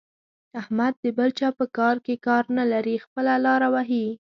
احمد د بل چا په کار کې کار نه لري؛ خپله لاره وهي.